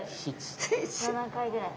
７回ぐらい。